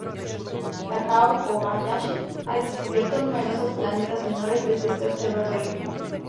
Takao Kobayashi ha descubierto numerosos planetas menores desde este observatorio.